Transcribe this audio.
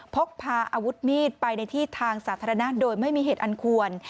พกพาอาวุธมีดไปในที่ทางสาธารณะโดยไม่มีเหตุอันควร